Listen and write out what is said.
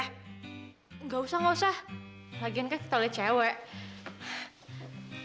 enggak usah enggak usah lagian kan kita oleh cewek